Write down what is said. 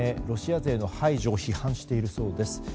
ロシア勢の排除を批判しているそうです。